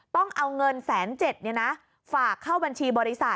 ต้องเอาเงิน๑๗๐๐บาทฝากเข้าบัญชีบริษัท